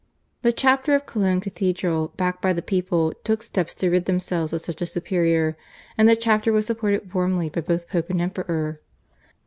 The chapter of Cologne Cathedral backed by the people took steps to rid themselves of such a superior, and the chapter was supported warmly by both Pope and Emperor.